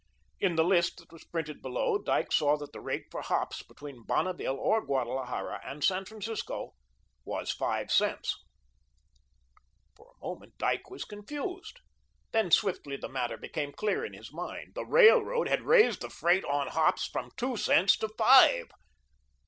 In the list that was printed below, Dyke saw that the rate for hops between Bonneville or Guadalajara and San Francisco was five cents. For a moment Dyke was confused. Then swiftly the matter became clear in his mind. The Railroad had raised the freight on hops from two cents to five.